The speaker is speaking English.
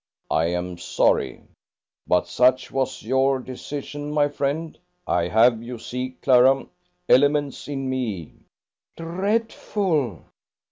I am sorry, but such was your decision, my friend. I have, you see, Clara, elements in me " "Dreadful!"